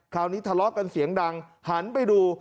คราวนี้ทะเลาะกันเสียงดังหันไปดู